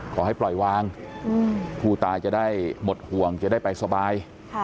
ขอให้ปล่อยวางผู้ตายจะได้หมดห่วงจะได้ไปสบาย